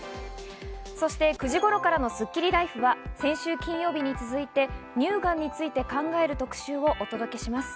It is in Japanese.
そして９時頃からのスッキリＬＩＦＥは先週金曜日に続いて乳がんについて考える特集をお届けします。